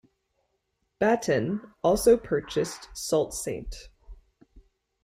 Baton also purchased Sault Ste.